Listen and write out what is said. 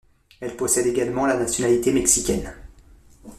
Elle possède également la nationalité mexicaine.